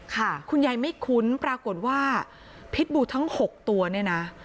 คุณยายไม่คุ้นปรากฏว่าพิษบูทั้ง๖ตัวเนี่ยนะ